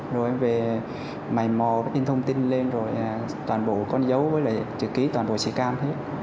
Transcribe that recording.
rồi em về mây mò in thông tin lên rồi toàn bộ con dấu với lại chữ ký toàn bộ sĩ cam hết